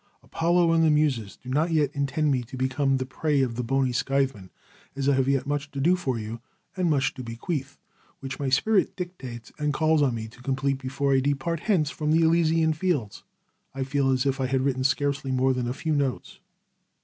"Apollo and the Muses do not yet intend me to become the prey of the bony scytheman, as I have yet much to do for you, and much to bequeath, which my spirit dictates and calls on me to complete before I depart hence for the Elysian Fields; I feel as if I had written scarcely more than a few notes."